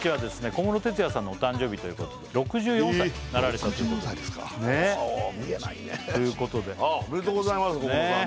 小室哲哉さんのお誕生日ということで６４歳になられたということでおお見えないねということでおめでとうございます小室さん